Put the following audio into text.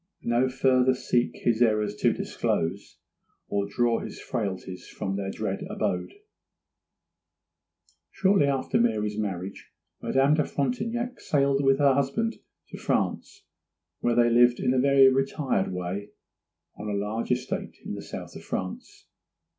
'No farther seek his errors to disclose, Or draw his frailties from their dread abode.' Shortly after Mary's marriage Madame de Frontignac sailed with her husband to France, where they lived in a very retired way on a large estate in the south of France.